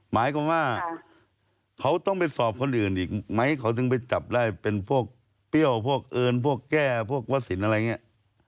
หมายความว่าเขาต้องไปสอบคนอื่นอีกไหมเขาถึงไปจับได้เป็นพวกเปรี้ยวพวกเอิญพวกแก้พวกวัสสินอะไรอย่างนี้